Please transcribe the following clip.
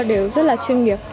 đều rất là chuyên nghiệp